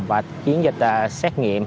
và chiến dịch xét nghiệm